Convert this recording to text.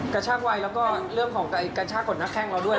กระชากวัยแล้วก็เรื่องของการกระชากกดหน้าแข้งเราด้วย